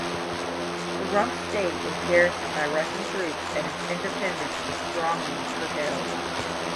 The rump state was garrisoned by Russian troops and its independence was strongly curtailed.